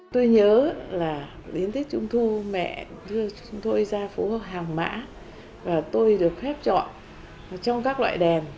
tôi nhớ là đến tết trung thu mẹ đưa chúng tôi ra phố hàng mã và tôi được khép chọn trong các loại đèn